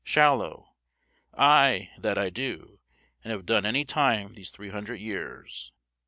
Shallow. Ay, that I do; and have done any time these three hundred years.